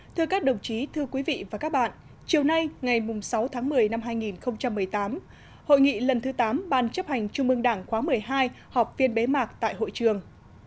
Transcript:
thưa các đồng chí thưa quý vị và các bạn chiều nay ngày sáu tháng một mươi năm hai nghìn một mươi tám hội nghị lần thứ tám ban chấp hành trung ương đảng khóa một mươi hai họp phiên bế mạc tại hội trường